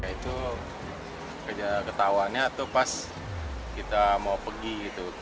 itu kerja ketawanya itu pas kita mau pergi gitu